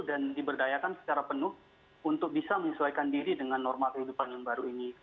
dan diberdayakan secara penuh untuk bisa menyesuaikan diri dengan norma kehidupan yang baru ini